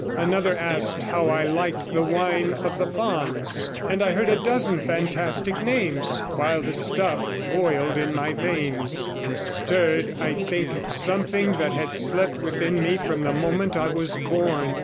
Another asked me how I liked the wine of the Fauns, and I heard a dozen fantastic names, while the stuff boiled in my veins, and stirred, I think, something that had slept within me from the moment I was born.